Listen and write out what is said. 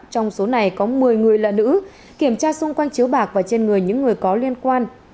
trong số này có một mươi người là nữ kiểm tra xung quanh chiếu bạc và trên người những người có liên quan